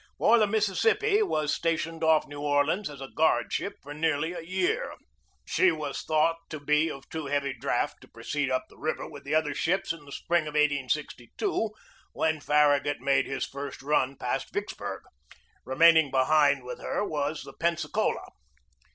For the Mississippi was stationed off New Orleans as a guard ship for nearly a year. She was thought to be of too heavy draught to proceed up the river with the other ships in the spring of 1862, when Farragut made his first run past Vicksburg. Remaining behind with her was the Pensacola.